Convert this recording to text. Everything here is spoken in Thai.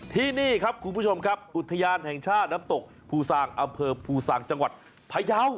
ที่นี่ครับคุณผู้ชมครับอุทยานแห่งชาติน้ำตกภูซางอำเภอภูซางจังหวัดพยาว